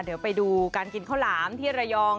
เดี๋ยวไปดูการกินข้าวหลามที่ระยอง